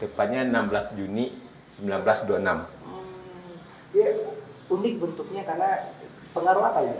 dia unik bentuknya karena pengaruh apa ya pak sebenarnya